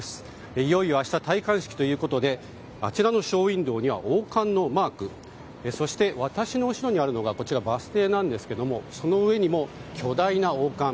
いよいよ明日戴冠式ということであちらのショーウィンドーには王冠のマークそして私の後ろにあるのがバス停なんですがその上にも巨大な王冠。